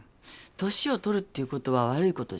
年を取るっていうことは悪いことじゃない。